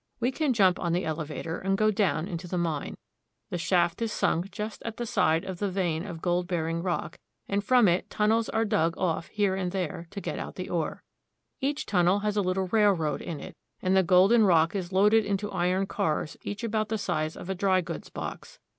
We can jump on the elevator and go down into the mine. The shaft is sunk just at the side of the vein of gold bearing rock, and from it tunnels are dug off here and there to get out the ore. Each tunnel has a little railroad in it, and the golden rock is loaded into iron cars each about the size of a dry goods box.